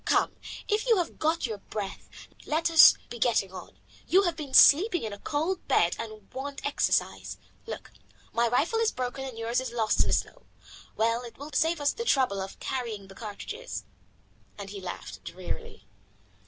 Come, if you have got your breath, let us be getting on. You have been sleeping in a cold bed and want exercise. Look, my rifle is broken and yours is lost in the snow. Well, it will save us the trouble of carrying the cartridges," and he laughed drearily.